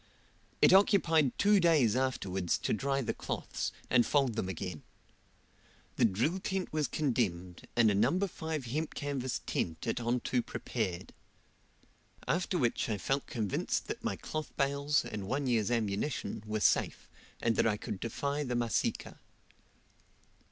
It occupied two days afterwards to dry the cloths, and fold them again. The drill tent was condemned, and a No. 5 hemp canvas tent at onto prepared. After which I felt convinced that my cloth bales, and one year's ammunition, were safe, and that I could defy the Masika.